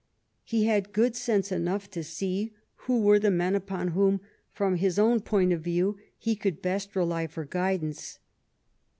He had good sense enough to see who were the men upon whom, from his own point of view, he could best rely for guidance.